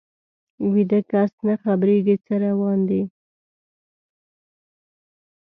ویده کس نه خبریږي څه روان دي